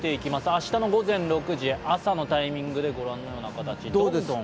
明日の午前６時、朝のタイミングでご覧のようになっています。